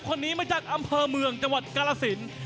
คนนี้มาจากอำเภอเมืองจังหวัดกาลสิน